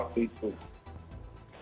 jadi saya tidak mengurus izin waktu itu